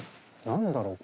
何だろう？